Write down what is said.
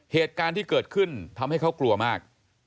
เหตุการณ์ที่เกิดขึ้นทำให้เขากลัวมาก